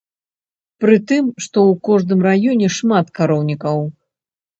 Пры тым, што ў кожным раёне шмат кароўнікаў.